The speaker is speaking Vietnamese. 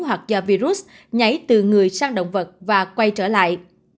hoặc do virus nhảy từ người sang động vật và quay trở lại